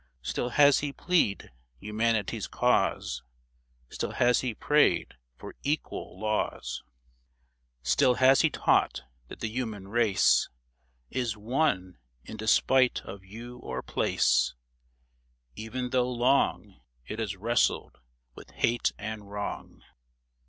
Still has he plead humanity's cause ; Still has he prayed for equal laws ; 102 THE DEAD CENTURY Still has he taught that the human race Is one in despite of hue or place, Even though long It has wrestled with hate and wrong.